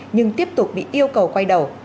nhưng tiếp tục bị yêu cầu quay đầu